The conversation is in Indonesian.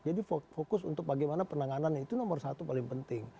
jadi fokus untuk bagaimana penanganan itu nomor satu paling penting